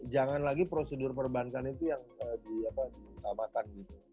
jangan lagi prosedur perbankan itu yang ditamakan gitu